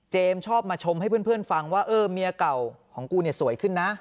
ชอบมาชมให้เพื่อนฟังว่าเออเมียเก่าของกูเนี่ยสวยขึ้นนะ